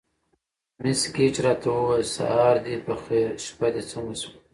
مس ګېج راته وویل: سهار دې په خیر، شپه دې څنګه شوه؟